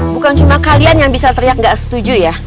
bukan cuma kalian yang bisa teriak nggak setuju ya